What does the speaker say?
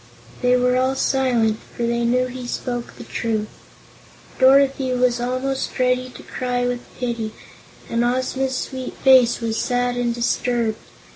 They were all silent, for they knew he spoke the truth. Dorothy was almost ready to cry with pity and Ozma's sweet face was sad and disturbed.